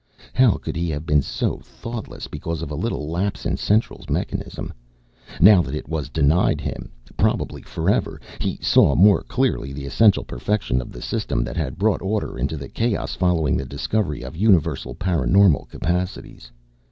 How could he have been so thoughtless because of a little lapse in Central's mechanism? Now that it was denied him, probably forever, he saw more clearly the essential perfection of the system that had brought order into the chaos following the discovery of universal paraNormal capacities.